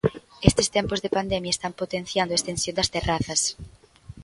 Estes tempos de pandemia están potenciando a extensión das terrazas.